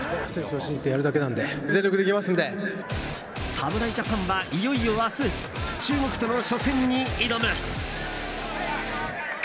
侍ジャパンは、いよいよ明日中国との初戦に挑む。